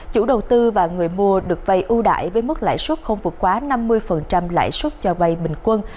chủ đầu tư và người mua được vay ưu đãi với mức lãi suất không vượt quá năm mươi lãi suất cho vay bình quân